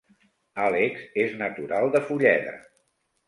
Àlex és natural de Fulleda